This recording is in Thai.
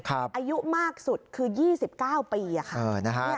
อายุมากสุดคือ๒๙ปีค่ะ